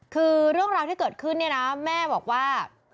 คือเรื่องราวที่เกิดขึ้นเนี่ยนะแม่บอกว่า